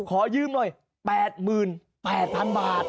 ขอยืมหน่อยแปดมื้นแบดพันบาท